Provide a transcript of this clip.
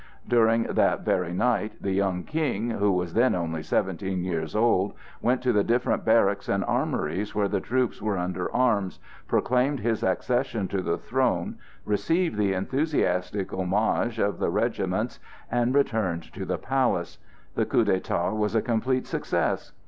During that very night the young King, who was then only seventeen years old, went to the different barracks and armories where the troops were under arms, proclaimed his accession to the throne, received the enthusiastic homage of the regiments, and returned to the palace. The coup d'état was a complete success.